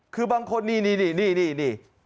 คือบางคนนี่นี่นี่นี่